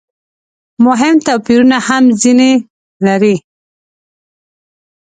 مهم توپیرونه هم ځنې لري.